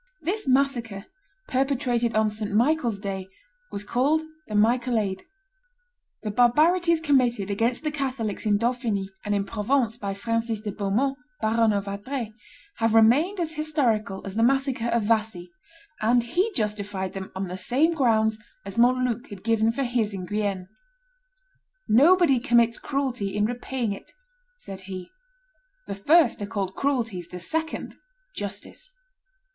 This massacre, perpetrated on St. Michael's day, was called the Michaelade. The barbarities committed against the Catholics in Dauphiny and in Provence by Francis de Beaumont, Baron of Adrets, have remained as historical as the massacre of Vassy, and he justified them on the same grounds as Montluc had given for his in Guienne. "Nobody commits cruelty in repaying it," said he; "the first are called cruelties, the second justice.